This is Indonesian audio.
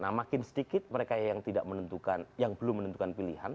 nah makin sedikit mereka yang belum menentukan pilihan